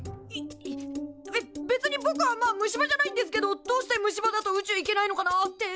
べ別にぼくはまあ虫歯じゃないんですけどどうして虫歯だと宇宙行けないのかなって。